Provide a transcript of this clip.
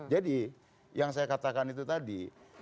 yang saya katakan itu tadi